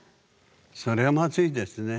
それはまずいですね。